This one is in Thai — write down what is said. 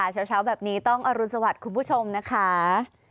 เช้าแบบนี้ต้องอรุณสวัสดิ์คุณผู้ชมนะคะ